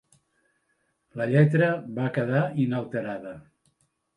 La lletra va quedar inalterada.